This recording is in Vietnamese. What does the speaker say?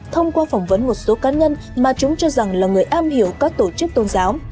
thông qua phỏng vấn một số cá nhân mà chúng cho rằng là người am hiểu các tổ chức tôn giáo